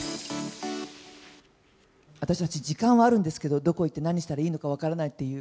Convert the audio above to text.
私たち時間はあるんですけど、どこ行って何したらいいのか分からないっていう。